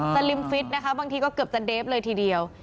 สลิมฟิตนะคะบางทีก็เกือบจะเดฟเลยทีเดียว